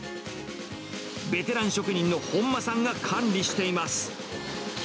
ベテラン職人の本間さんが管理しています。